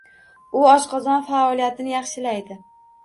U oshqozon faoliyatini yahshilaydi.